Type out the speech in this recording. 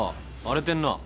荒れてんなぁ。